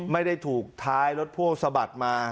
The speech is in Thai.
ไม่ได้ถูกท้ายรถพ่วงสะบัดมา